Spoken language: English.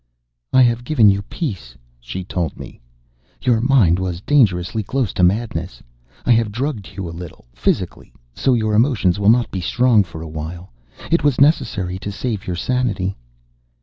"I have given you peace," she told me. "Your mind was dangerously close to madness. I have drugged you a little, physically; so your emotions will not be strong for a while. It was necessary to save your sanity."